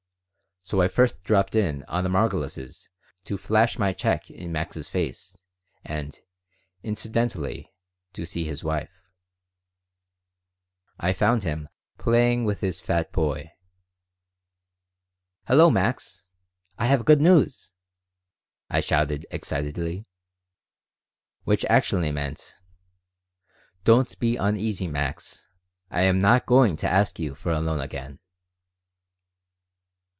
So I first dropped in on the Margolises to flash my check in Max's face and, incidentally, to see his wife I found him playing with his fat boy "Hello, Max! I have good news!" I shouted, excitedly. Which actually meant: "Don't be uneasy, Max. I am not going to ask you for a loan again."